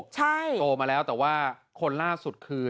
ใช่โตมาแล้วแต่ว่าคนล่าสุดคือ